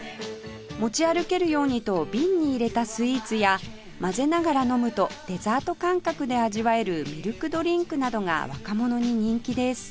持ち歩けるようにと瓶に入れたスイーツや混ぜながら飲むとデザート感覚で味わえるミルクドリンクなどが若者に人気です